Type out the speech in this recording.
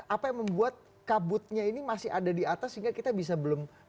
apa yang membuat kabutnya ini masih ada di atas sehingga kita bisa belum